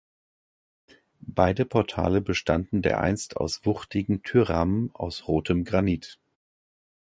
Beide Portale bestanden dereinst aus wuchtigen Türrahmen aus rotem Granit.